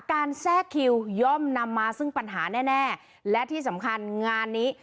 แทรกคิวย่อมนำมาซึ่งปัญหาแน่แน่และที่สำคัญงานนี้